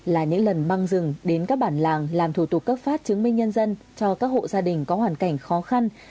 là những lần băng rừng đến các bản làng làm thủ tục cấp phát chứng minh nhân dân cho các hộ gia đình có hoàn cảnh khó khăn